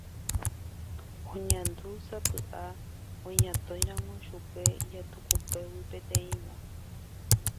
Oñandújesapy'a oñatõiramo chupe ijatukupégui peteĩva.